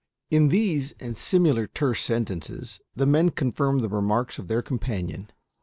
In these and similar terse sentences, the men confirmed the remarks of their companion.